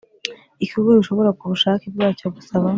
Ikigo gishobora ku bushake bwacyo gusaba